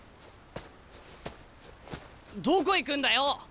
どこ行くんだよ？